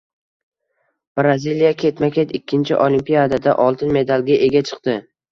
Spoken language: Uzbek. Braziliya ketma-ket ikkinchi Olimpiadada oltin medalga ega chiqdi